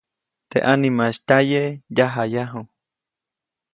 Teʼ ʼanimaʼis tyaye, yajayaju.